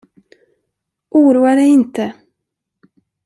Oroa dig inte!